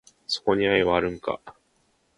そこに愛はあるんか？